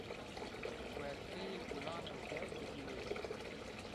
Werteyê gulan de bigêrê